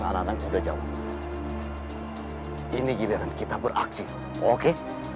sekarang alatnya jauh jauh ini giliran kita beraksi oke